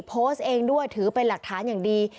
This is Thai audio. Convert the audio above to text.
โพสต์เองด้วยถือเป็นหลักฐานอย่างดี